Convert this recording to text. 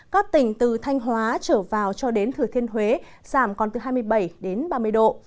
các tỉnh từ thanh hóa trở vào cho đến thừa thiên huế giảm còn từ hai mươi bảy đến ba mươi độ